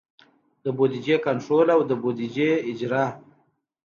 د بودیجې کنټرول او د بودیجې اجرا.